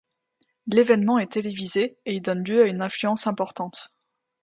L’événement est télévisé, et il donne lieu à une affluence importante.